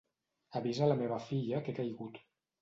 Avisa a la meva filla que he caigut.